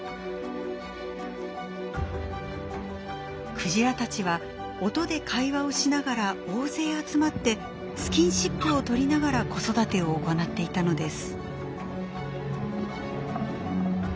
クジラたちは音で会話をしながら大勢集まってスキンシップをとりながら子育てを行っていたのです。